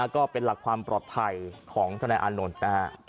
ก็เป็นหลักความปลอดภัยของทนายอานนท์นะฮะ